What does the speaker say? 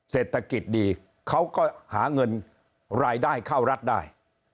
เศรษฐกิจดีเขาก็หาเงินรายได้เข้ารัฐได้